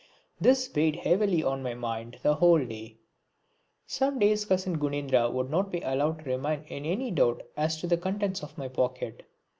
This weighed heavily on my mind the whole day. Some days cousin Gunendra would not be allowed to remain in any doubt as to the contents of my pocket.